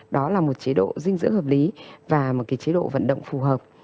đó là một chế độ dinh dưỡng hợp lý và một chế độ vận động phù hợp